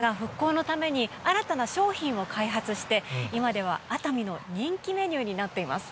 ご自身も被災したんですが、復興のために、新たな商品を開発して、今では熱海の人気メニューになっています。